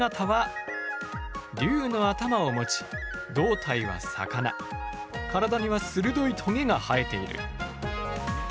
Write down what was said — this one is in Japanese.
竜の頭を持ち胴体は魚体には鋭いトゲが生えている。